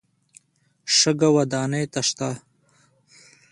شګه ودانۍ ته شته.